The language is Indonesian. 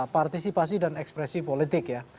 partisipasi dan ekspresi politik ya